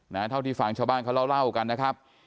นะฮะเท่าที่ฝ่างชาวบ้านเขาเล่าเล่ากันนะครับ